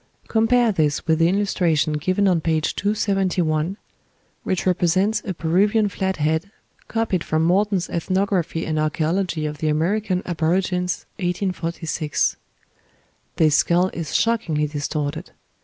Compare this with the illustration given on page 271, which represents a Peruvian flat head, copied from Morton's "Ethnography and Archæology of the American Aborigines," 1846. This skull is shockingly distorted.